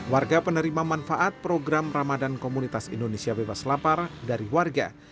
warga penerima manfaat program ramadan komunitas indonesia bebas lapar dari warga